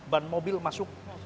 ban mobil masuk